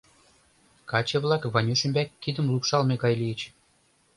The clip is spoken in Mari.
Каче-влак Ванюш ӱмбак кидым лупшалме гай лийыч.